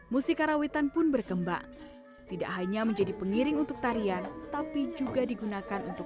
musik karawitan pun berkembang tidak hanya menjadi pengiring untuk tarian tapi juga digunakan untuk